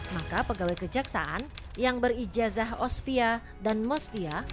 maka pegawai kejaksaan yang berijazah osvia dan mosvia